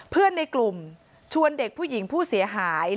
เพื่อนในกลุ่มชวนเด็กผู้หญิงผู้เสียหาย